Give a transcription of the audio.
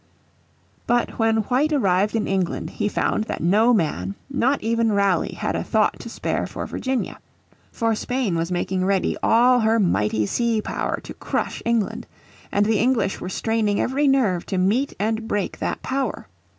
But when White arrived in England he found that no man, not even Raleigh, had a thought to spare for Virginia. For Spain was making ready all her mighty sea power to crush England. And the English were straining every nerve to meet and break that power.